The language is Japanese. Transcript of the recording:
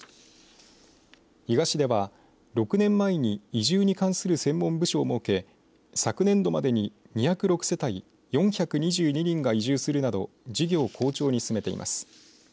伊賀市では６年前に移住に関する専門部署を設け昨年度までに２０６世帯４２２人が移住するなど事業を好調に進めています。